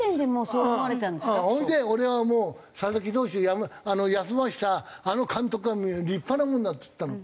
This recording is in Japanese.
それで俺はもう佐々木投手を休ませたあの監督は立派なものだって言ったの。